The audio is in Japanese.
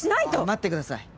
待ってください。